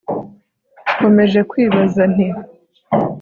nkomeje kwibaza nti